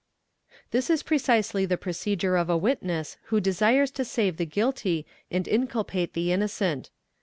This is precisely the procedure of a witness who desires to save the guilty and inculpate the innocent.